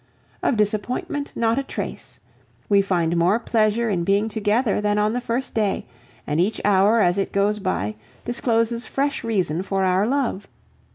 Of disappointment not a trace! We find more pleasure in being together than on the first day, and each hour as it goes by discloses fresh reason for our love.